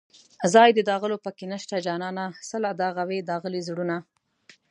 ځای د داغلو په کې نشته جانانه څله داغوې داغلي زړونه